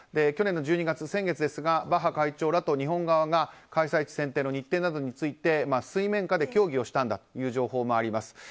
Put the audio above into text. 去年の１２月、先月ですがバッハ会長らと日本側が開催地選定の日程などについて水面下で協議したんだという情報もあります。